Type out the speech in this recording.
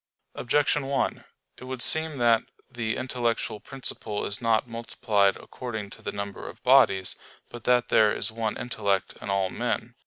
Objection 1: It would seem that the intellectual principle is not multiplied according to the number of bodies, but that there is one intellect in all men.